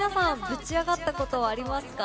ぶちアガったことありますか？